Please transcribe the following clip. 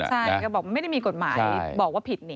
ก็บอกว่าไม่ได้มีกฎหมายบอกว่าผิด